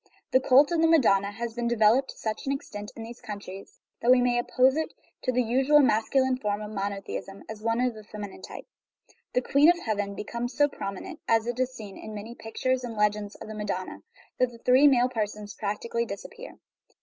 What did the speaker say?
The cult of the madonna has been de veloped to such an extent in these countries that we may oppose it to the usual masculine form of mono theism as one of a feminine type. The " Queen of Heaven" becomes so prominent, as is seen in so many pictures and legends of the madonna, that the three male persons practically disappear.